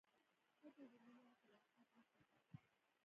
ښځه د مینې او صداقت نښه ده.